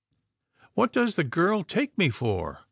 " What does the girl take me for?